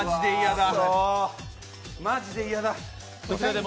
マジで嫌だ。